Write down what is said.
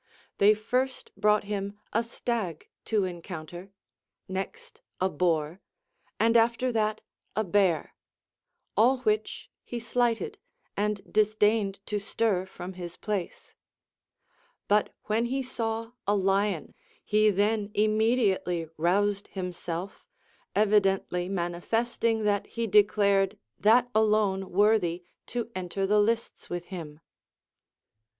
They first brought him a stag to encounter, next a boar, and after that a bear, all which he slighted, and disdained to stir from his place; but when he saw a lion he then immediately roused himself, evidently manifesting that he declared that alone worthy to enter the lists with him.